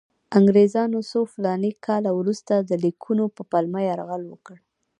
انګریزانو څو فلاني کاله وروسته د لیکونو په پلمه یرغل وکړ.